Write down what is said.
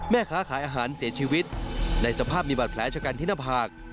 แม่ค้าขายอาหารเสียชีวิตในสภาพมีบาดแผลชะกันที่หน้าผาก